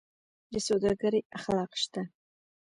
د سوداګرۍ اخلاق شته؟